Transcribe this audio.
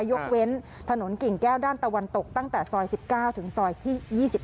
ยกเว้นถนนกิ่งแก้วด้านตะวันตกตั้งแต่ซอย๑๙ถึงซอยที่๒๕